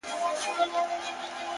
• هر یو زوی به دي له ورور سره دښمن وي,